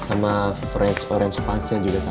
sama french orange pancernya juga satu